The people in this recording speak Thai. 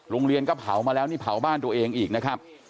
เรียนก็เผามาแล้วนี่เผาบ้านตัวเองอีกนะครับ